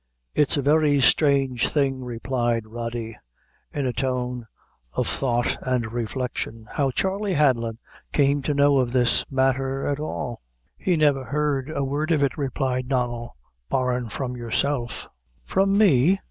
"It's a very sthrange thing," replied Rody, in a tone of thought and reflection, "how Charley Hanlon came to know of this matther at all." "He never heard a word of it," replied Donnel, "barrin' from yourself." "From me!"